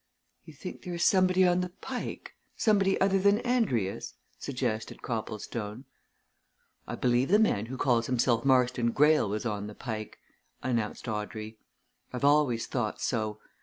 "You think there is somebody on the Pike somebody other than Andrius?" suggested Copplestone. "I believe the man who calls himself Marston Greyle was on the Pike," announced Audrey. "I've always thought so.